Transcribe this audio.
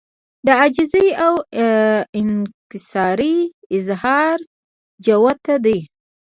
د عاجزۍاو انکسارۍ اظهار جوت دی